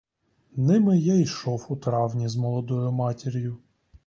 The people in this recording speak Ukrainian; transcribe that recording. Ними я йшов у травні з молодою матір'ю.